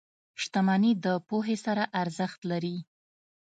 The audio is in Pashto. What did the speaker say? • شتمني د پوهې سره ارزښت لري.